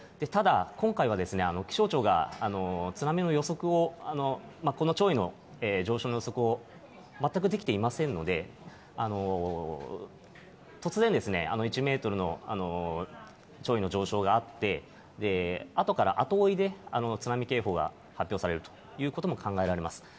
ただ、今回は気象庁が津波の予測を、この潮位の上昇の予測を全くできていませんので、突然、１メートルの潮位の上昇があって、あとから後追いで、津波警報が発表されるということも考えられます。